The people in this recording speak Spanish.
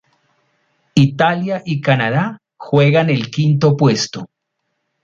Italia y Canadá juegan el quinto puesto.